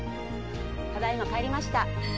ただいま帰りました。